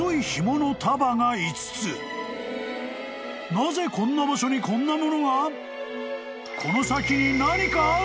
［なぜこんな場所にこんなものが！？］